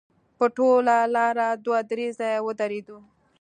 په ټوله لاره دوه درې ځایه ودرېدو.